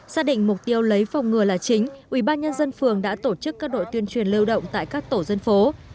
xác định mục tiêu lấy phòng ngừa là chính ubnd phường đã tổ chức các đội tuyên truyền lưu động tại các tổ dân phố